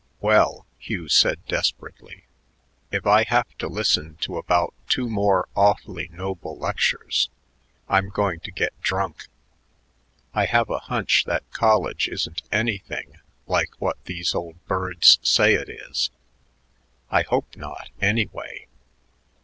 "Well," Hugh said desperately, "if I have to listen to about two more awfully noble lectures, I'm going to get drunk. I have a hunch that college isn't anything like what these old birds say it is. I hope not, anyway."